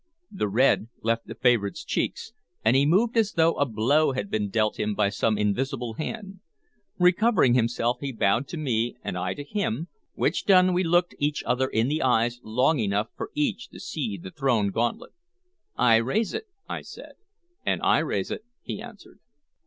The red left the favorite's cheeks, and he moved as though a blow had been dealt him by some invisible hand. Recovering himself he bowed to me, and I to him, which done we looked each other in the eyes long enough for each to see the thrown gauntlet. "I raise it," I said. "And I raise it," he answered.